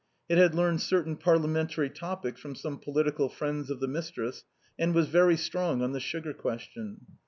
It had learned certain parliamentary topics from some political friends of its mistress, and was very strong on the sugar question.